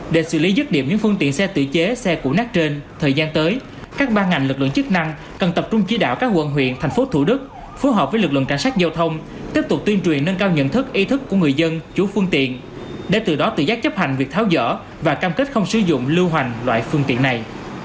để xử lý dứt điểm những phương tiện xe tự chế xe củ nát trên thời gian tới các ba ngành lực lượng chức năng cần tập trung chỉ đạo các quận huyện thành phố thủ đức phù hợp với lực lượng cảnh sát giao thông tiếp tục tuyên truyền nâng cao nhận thức ý thức của người dân chủ phương tiện để từ đó tự giác chấp hành việc tháo dở và cam kết không sử dụng lưu hoành loại phương tiện này